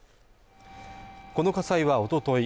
この火災はおととい